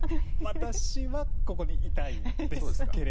私はここにいたいです。